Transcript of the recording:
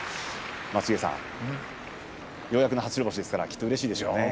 松重さん、ようやくの白星ですからうれしいでしょうね。